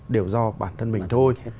đều do bản thân mình thôi